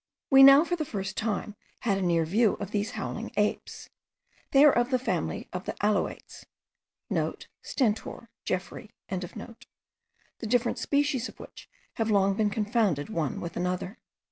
We now for the first time had a near view of these howling apes. They are of the family of the alouates,* (* Stentor, Geoffroy.) the different species of which have long been confounded one with another.